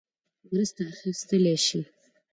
مرسته اخیستلای شي.